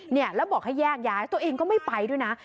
เนี่ยแล้วบอกให้แยกย้ายตัวเองก็ไม่ไปด้วยนะ